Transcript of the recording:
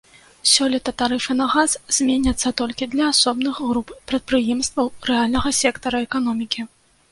Сёлета тарыфы на газ зменяцца толькі для асобных груп прадпрыемстваў рэальнага сектара эканомікі.